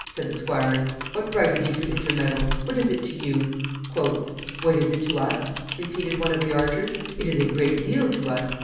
said the squires. "What right have you to intermeddle? What is it to you?" "What is it to us?" repeated one of the archers. "It is a great deal to us.